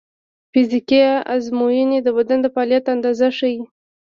فزیکي ازموینې د بدن د فعالیت اندازه ښيي.